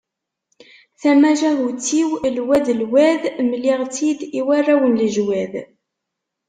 Tamacahut-iw lwad lwad mliɣ-tt-id i warraw n lejwad.